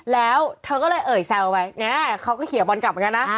แล้วเธอก็เลยเอ่ยแซวไว้เขาก็เขียวบอลกลับมากันนะ